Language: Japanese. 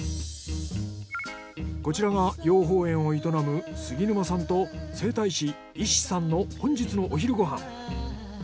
こちらが養蜂園を営む杉沼さんと整体師伊師さんの本日のお昼ご飯。